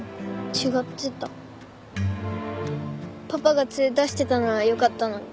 パパが連れ出してたならよかったのに。